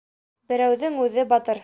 Берәүҙең үҙе батыр